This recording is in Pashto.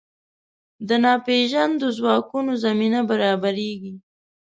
د ناپېژاندو ځواکونو زمینه برابرېږي.